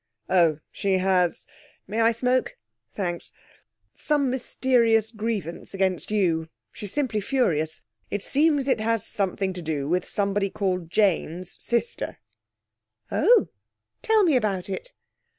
'Oh, she has may I smoke? Thanks some mysterious grievance against you. She's simply furious. It seems it has something to do with somebody called Jane's sister.' 'Oh! Tell me about it.'